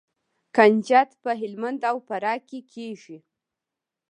کنجد په هلمند او فراه کې کیږي.